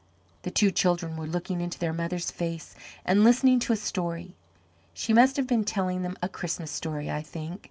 The two children were looking into their mother's face and listening to a story. She must have been telling them a Christmas story, I think.